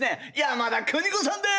山田邦子さんです！